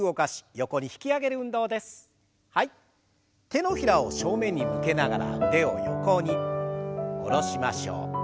手のひらを正面に向けながら腕を横に下ろしましょう。